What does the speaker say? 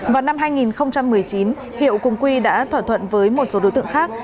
vào năm hai nghìn một mươi chín hiệu cùng quy đã thỏa thuận với một số đối tượng khác